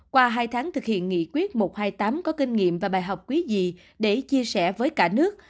qua hai tháng thực hiện nghị quyết một trăm hai mươi tám có kinh nghiệm và bài học quý gì để chia sẻ với cả nước